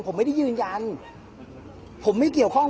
ผมไม่ได้ยืนยัน